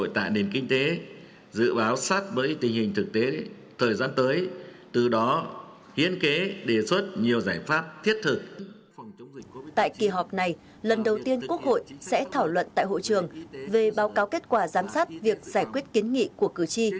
tại kỳ họp này lần đầu tiên quốc hội sẽ thảo luận tại hội trường về báo cáo kết quả giám sát việc giải quyết kiến nghị của cử tri